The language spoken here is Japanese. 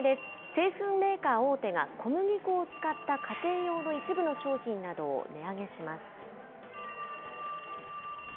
製粉メーカー大手が小麦粉を使った家庭用の一部の商品などを値上げします。